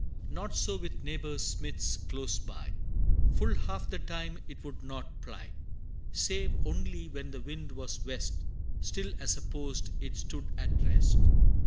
Not so with neighbor Smith's close by; Full half the time it would not ply: Save only when the wind was west, Still as a post it stood at rest.